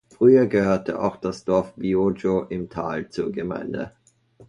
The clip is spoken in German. Früher gehört auch das Dorf Bioggio im Tal zur Gemeinde.